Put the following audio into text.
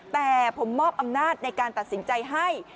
แต่ผมมอบอำนาจในการตัดสินใจให้